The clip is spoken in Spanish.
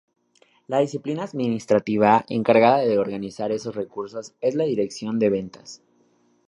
La disciplina administrativa encargada de organizar esos recursos es la dirección de ventas.